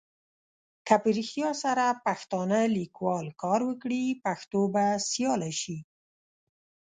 که په رېښتیا سره پښتانه لیکوال کار وکړي پښتو به سیاله سي.